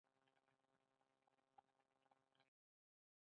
د اوبو سرچینې د افغانستان په اوږده تاریخ کې ذکر شوی دی.